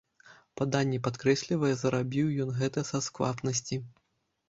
Паданне падкрэслівае, зарабіў ён гэта са сквапнасці.